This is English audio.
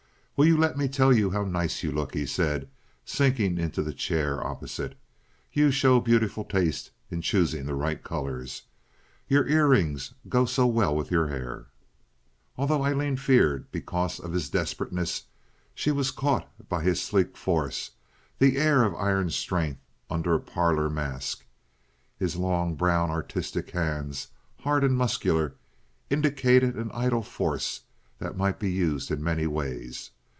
"Will you let me tell you how nice you look?" he said, sinking into the chair opposite. "You show beautiful taste in choosing the right colors. Your ear rings go so well with your hair." Although Aileen feared because of his desperateness, she was caught by his sleek force—that air of iron strength under a parlor mask. His long, brown, artistic hands, hard and muscular, indicated an idle force that might be used in many ways.